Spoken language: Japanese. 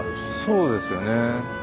そうですよね。